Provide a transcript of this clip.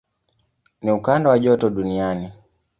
Ni ukanda wa joto duniani.